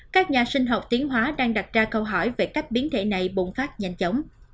các nhà sinh học tiến hóa đang đặt ra câu hỏi về cách biến thể này bùng phát nhanh chóng